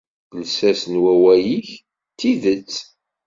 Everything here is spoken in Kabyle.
Lsas n wawal-ik, d tidet.